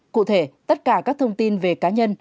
cụ thể tất cả các thông tin về cá nhân